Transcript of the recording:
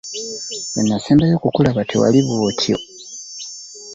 Lwe nasembayo okukulaba tewali bw'otyo.